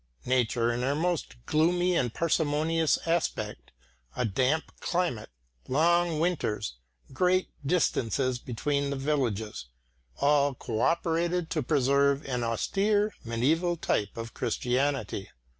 Nature in her most gloomy and parsimonious aspect, a damp climate, long winters, great distances between the villages, all co operated to preserve an austere mediæval type of Christianity.